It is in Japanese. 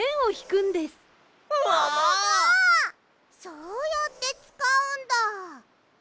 そうやってつかうんだ。